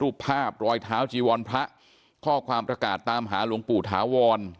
ภาพรอยเท้าจีวรพระข้อความประกาศตามหาหลวงปู่ถาวร